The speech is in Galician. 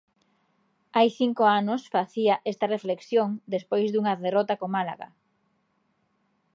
Hai cinco anos facía esta reflexión despois dunha derrota co Málaga.